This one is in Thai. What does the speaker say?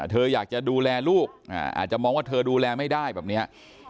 เธออยากจะดูแลลูกอาจจะมองว่าเธอดูแลไม่ได้แบบนี้